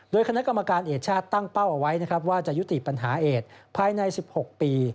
โดยคณะกรรมการเอกชาติตั้งเป้าเอาไว้นะครับว่าจะยุติปัญหาเอดภายใน๑๖ปี